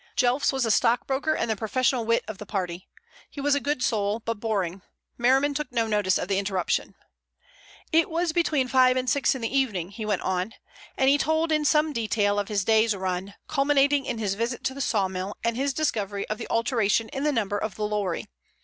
Jelfs was a stockbroker and the professional wit of the party. He was a good soul, but boring. Merriman took no notice of the interruption. "It was between five and six in the evening," he went on, and he told in some detail of his day's run, culminating in his visit to the sawmill and his discovery of the alteration in the number of the lorry.